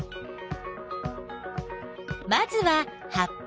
まずは葉っぱ。